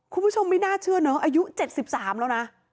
คุณผู้ชมไม่น่าเชื่อเนอะอายุ๗๓แล้วนะ